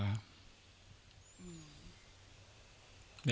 หรือว่าแบกใส่บ่า